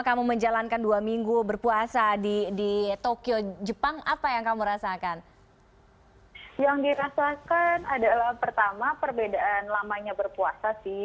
k pestat dan apa yang di rasakan yang dirasakan adalah pertama perbedaan lamanya berpuasa sih